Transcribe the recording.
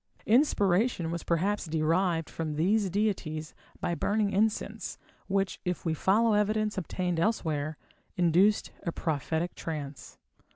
Inspiration was perhaps derived from these deities by burning incense, which, if we follow evidence obtained elsewhere, induced a prophetic trance.